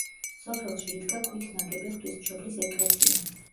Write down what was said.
სოფელში იდგა ქვით ნაგები ღვთისმშობლის ეკლესია.